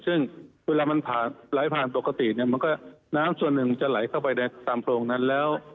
ซึ่งน้ั้มอันส่วนหนึ่งจะไหลเข้าไปแนบตามโพรงทั้งหนึ่งแล้ว